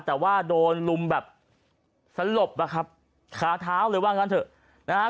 แต่ว่าโดนลุมแบบสลบอะครับคาเท้าเลยว่างั้นเถอะนะฮะ